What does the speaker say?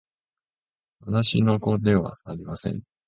私の子ではありません